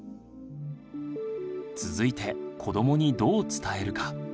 続いて子どもにどう伝えるか？